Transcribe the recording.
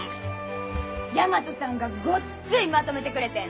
大和さんがごっついまとめてくれてん。